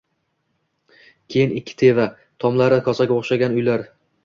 Keyin ikki teva, tomlari kosaga o‘xshagan uylar